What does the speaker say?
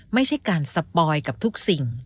ไม่ใช่การสปอยกับทุกสิ่ง